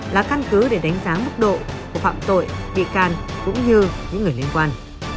là căn cứ để đánh giá mức độ của phạm tội bị can cũng như những người liên quan